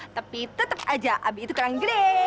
tapi tetep aja abi itu kering gede